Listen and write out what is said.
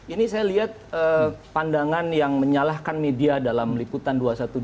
ini saya lihat pandangan yang menyalahkan media dalam liputan dua ratus dua belas